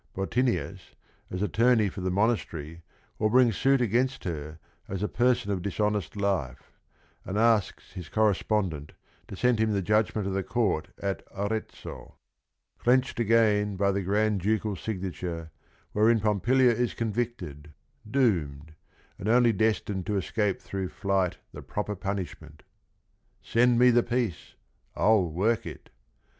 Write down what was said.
Bottinius, as attorney for the monas tery, will bring suit against her as a "person of dishonest life," and asks his correspondent to send him the judgment of the court at Arezzo, "clenched Again by the Granducal signature, Wherein Pompilia is convicted, doomed, And only destined to escape through flight The proper punishment. Send me the piece, — I '11 work it